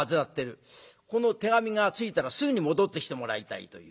この手紙が着いたらすぐに戻ってきてもらいたいという。